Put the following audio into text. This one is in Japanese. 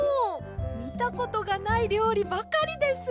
みたことがないりょうりばかりです。